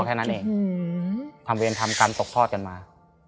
ความเวรทำกันตกพ่อกันมา